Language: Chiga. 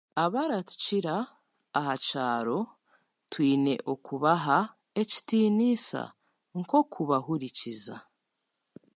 Abaratukira aha kyaro twine kubaha ekitiinisa nk'okubahurikiza